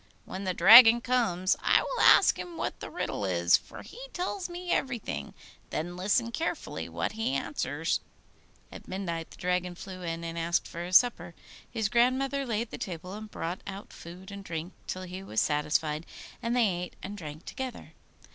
When the Dragon comes, I will ask him what the riddle is, for he tells me everything; then listen carefully what he answers.' At midnight the Dragon flew in, and asked for his supper. His grandmother laid the table, and brought out food and drink till he was satisfied, and they ate and drank together.